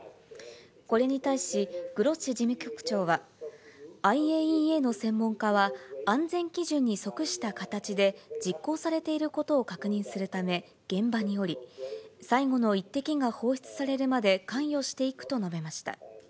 これに対し、グロッシ事務局長は、ＩＡＥＡの専門家は、安全基準に即した形で実行されていることを確認するため現場におり、最後の一滴が放出されるまで関与していくと述べました。